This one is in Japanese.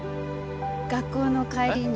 学校の帰りに。